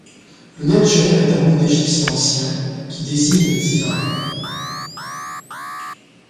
Le netjer est un mot d’égyptien ancien, qui désigne le divin.